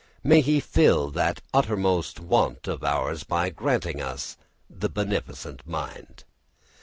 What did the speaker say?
], may he fulfil that uttermost want of ours by granting us the beneficent mind.